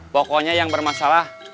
pokoknya yang bermasalah